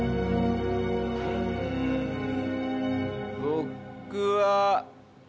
僕は。